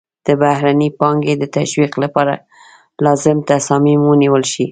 د بهرنۍ پانګې د تشویق لپاره لازم تصامیم ونیول شي.